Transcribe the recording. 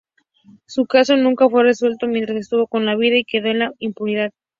Su caso nunca fue resuelto mientras estuvo con vida y quedó en la impunidad.